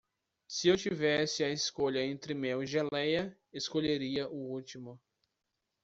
Se eu tivesse a escolha entre mel e geleia, escolheria o último.